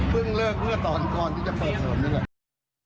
เพิ่งเลิกเมื่อตอนก่อนที่จะเปิดสรรค์นี้เลย